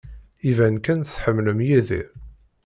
Iban kan tḥemmlem Yidir.